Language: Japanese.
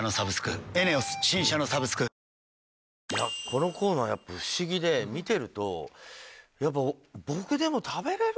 このコーナー不思議で見てるとやっぱ。